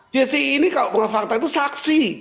jsi ini kalau pengungkap fakta itu saksi